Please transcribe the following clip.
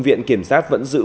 viện kiểm sát vẫn giữ